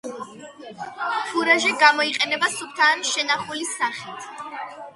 ფურაჟი გამოიყენება სუფთა ან შენახული სახით.